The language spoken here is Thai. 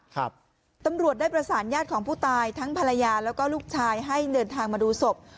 ตำรวจได้ประสานญาติของผู้ตายทั้งภรรยาแล้วก็ลูกชายให้เดินทางมาดูศพ